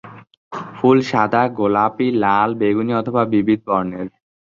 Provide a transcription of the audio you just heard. ফুল সাদা, গোলাপী, লাল, বেগুনি অথবা বিবিধ বর্ণের।